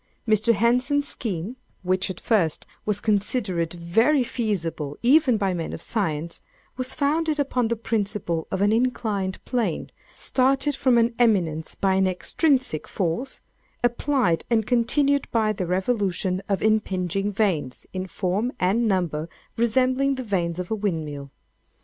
Mr. Henson's scheme (which at first was considered very feasible even by men of science,) was founded upon the principle of an inclined plane, started from an eminence by an extrinsic force, applied and continued by the revolution of impinging vanes, in form and number resembling the vanes of a windmill.